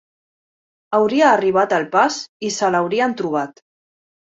Hauria arribat el pas i se'l haurien trobat